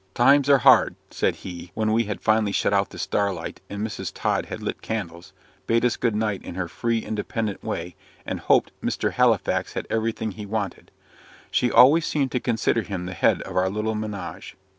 "Times are hard," said he, when we had finally shut out the starlight, and Mrs. Tod had lit candles, bade us good night in her free, independent way, and "hoped Mr. Halifax had everything he wanted." She always seemed to consider him the head of our little menage.